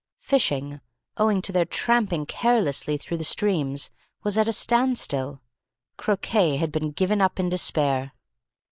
Fishing, owing to their tramping carelessly through the streams, was at a standstill. Croquet had been given up in despair.